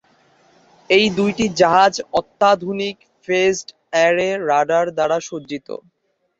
এই দুইটি জাহাজ অত্যাধুনিক "ফেজড-অ্যারে" রাডার দ্বারা সজ্জিত।